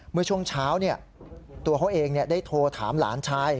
เมื่อช่วงเช้าตัวเขาเองได้โทรถามหลานชาย